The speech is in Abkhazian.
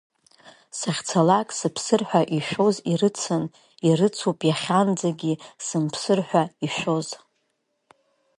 Сахьцалак сыԥсыр ҳәа ишәоз ирыцын, ирыцуп иахьанӡагьы сымԥсыр ҳәа ишәоз.